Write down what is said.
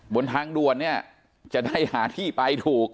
บนทางด่วนเนี่ยจะได้หาที่ไปถูก